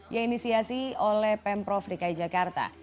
yang inisiasi oleh pemprov dki jakarta